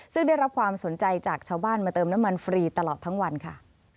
ซึ่งได้รับความสนใจจากชาวบ้านมาเติมน้ำมันฟรีตลอดทั้งวันค่ะ